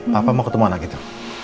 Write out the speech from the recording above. papa mau ketemu anak gitu